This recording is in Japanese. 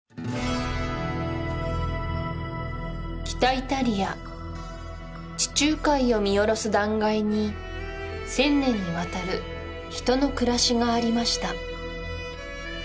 北イタリア地中海を見下ろす断崖に１０００年にわたる人の暮らしがありました